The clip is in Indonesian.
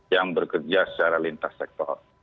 yang bekerja secara lintas sektor